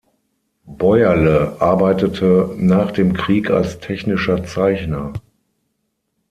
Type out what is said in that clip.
Bäuerle arbeitete nach dem Krieg als technischer Zeichner.